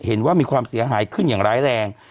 เห็นว่ามีความเสียหายขึ้นอย่างร้ายแรง